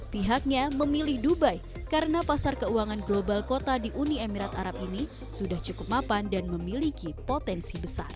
pihaknya memilih dubai karena pasar keuangan global kota di uni emirat arab ini sudah cukup mapan dan memiliki potensi besar